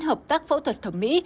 hợp tác phẫu thuật thẩm mỹ